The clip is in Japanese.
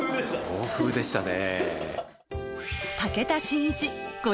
暴風雨でしたね。